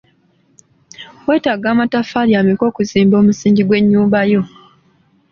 Weetaaga amataffaali ameka okuzimba omusingi gw'ennyumba yo?